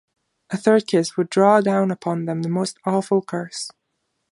A third kiss would draw down upon them the most awful curse.